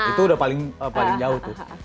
itu udah paling jauh tuh